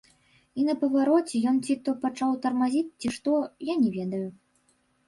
І на павароце ён ці то пачаў тармазіць, ці што, я не ведаю.